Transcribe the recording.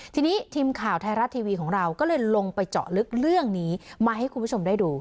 ทีนี้ทีมข่าวไทยรัฐทีวีของเราก็เลยลงไปเจาะลึกเรื่องนี้มาให้คุณผู้ชมได้ดู